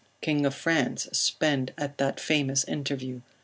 king of France, spend at that famous interview?